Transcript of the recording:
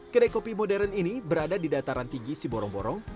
kedai kopi modern ini berada di dataran tinggi si borong borong